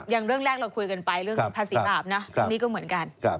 อย่างเรื่องแรกเราคุยกันไปเรื่องภาษีอาบนะเรื่องนี้ก็เหมือนกัน